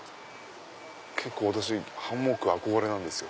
結構私ハンモック憧れなんですよ。